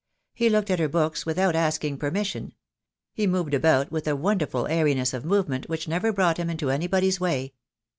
He looked at her books without asking permission. He moved about with a won derful airiness of movement which never brought him into anybody's way.